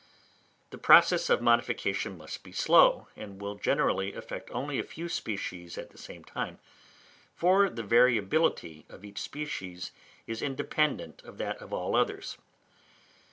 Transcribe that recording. The process of modification must be slow, and will generally affect only a few species at the same time; for the variability of each species is independent of that of all others.